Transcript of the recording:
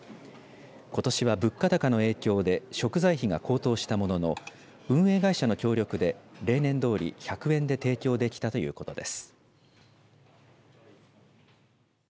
ことしは物価高の影響で食材費が高騰したものの運営会社の協力で例年どおり１００円で提供できたということです。